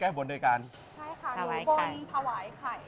ใช่ค่ะหนูบทวายไข่ค่ะถวายไข่